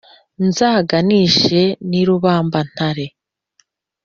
zaganije ni rubambantare